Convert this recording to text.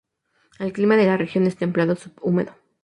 El clima de la región es templado subhúmedo.